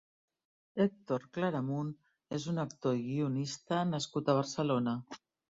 Héctor Claramunt és un actor i guionista nascut a Barcelona.